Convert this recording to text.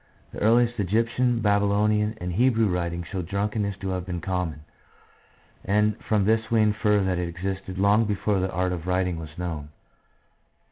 The earliest Egyptian, Babylonian, and Hebrew writings show drunkenness to have been common, and from this we infer that it existed long before the art of writing was known.